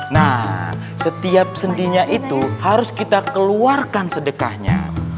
nah setiap sendinya itu harus kita keluarkan sedekahnya